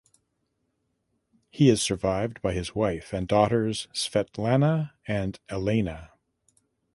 He is survived by his wife and daughters Svetlana and Elena.